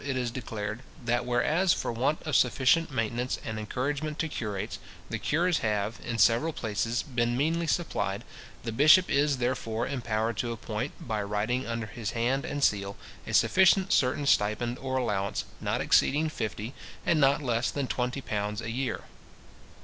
it is declared, "That whereas, for want of sufficient maintenance and encouragement to curates, the cures have, in several places, been meanly supplied, the bishop is, therefore, empowered to appoint, by writing under his hand and seal, a sufficient certain stipend or allowance, not exceeding fifty, and not less than twenty pounds a year".